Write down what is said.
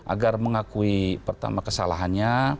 agar mengakui pertama kesalahannya